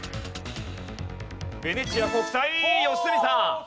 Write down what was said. ヴェネチア国際良純さん。